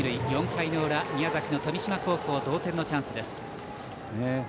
４回の裏、宮崎の富島高校同点のチャンスです。